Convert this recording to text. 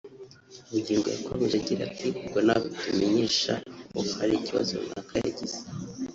Bugingo yakomeje agira ati “Ubwo natumenyesha ko hari ikibazo runaka yagize